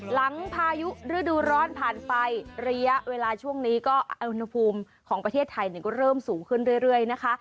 พายุฤดูร้อนผ่านไประยะเวลาช่วงนี้ก็อุณหภูมิของประเทศไทยก็เริ่มสูงขึ้นเรื่อยนะคะ